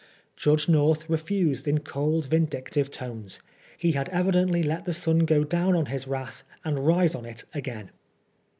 Judge North refused in cold, vindictive tones ; he had evidently let the sun go down on his wrath, and rise on it again.